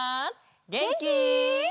げんき？